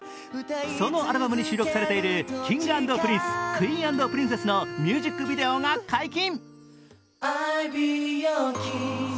そのアルバムに収録されている「Ｋｉｎｇ＆Ｐｒｉｎｃｅ，Ｑｕｅｅｎ＆Ｐｒｉｎｃｅｓｓ」のミュージックビデオが解禁。